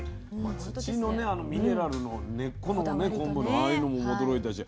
土のミネラルの根っこの昆布のああいうのも驚いたし